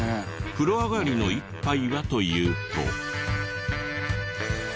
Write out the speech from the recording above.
風呂上がりの一杯はというと。